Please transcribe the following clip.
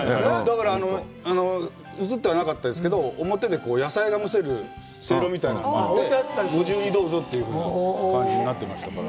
だから、映ってなかったですけど、表で野菜が蒸せる、せいろみたいなのがあって、ご自由にどうぞというふうに、感じになっていましたから。